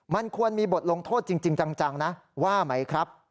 มันควรมีบทลงโทษจริงจังนะว่าไหมครับ